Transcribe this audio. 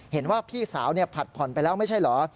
เห็นว่าพี่สาวผัดผ่อนไปแล้วไม่ใช่เหรอ